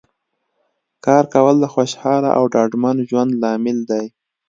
کار کول د خوشحاله او ډاډمن ژوند لامل دی